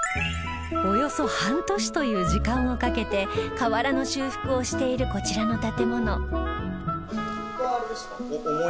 およそ半年という時間をかけて瓦の修復をしているこちらの建物